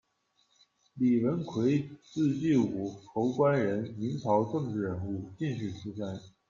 李文奎，字聚五，，侯官人，明朝政治人物、进士出身。